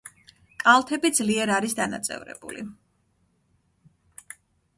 კალთები ძლიერ არის დანაწევრებული.